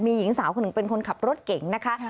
มีหญิงสาวคนหนึ่งเป็นคนขับรถเก่งนะคะ